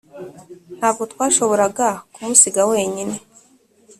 ntabwo twashoboraga kumusiga wenyine.